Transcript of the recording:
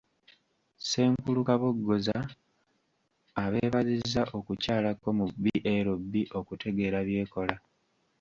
Ssenkulu Kabogoza abeebazizza okukyalako mu BLB okutegeera by’ekola.